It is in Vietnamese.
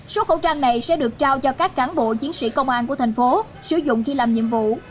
số khẩu trang này sẽ được trao cho các cán bộ chiến sĩ công an của thành phố sử dụng khi làm nhiệm vụ